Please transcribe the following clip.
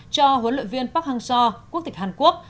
cho huấn luyện viên park hang seo quốc tịch hàn quốc